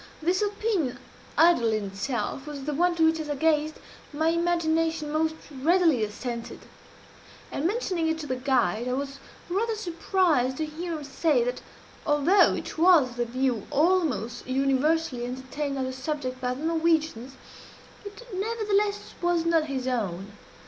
This opinion, idle in itself, was the one to which, as I gazed, my imagination most readily assented; and, mentioning it to the guide, I was rather surprised to hear him say that, although it was the view almost universally entertained of the subject by the Norwegians, it nevertheless was not his own.